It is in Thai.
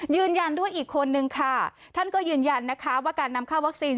ยืนยันด้วยอีกคนนึงค่ะท่านก็ยืนยันนะคะว่าการนำเข้าวัคซีน